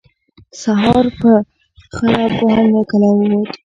سهار په خړه به له کلا ووت.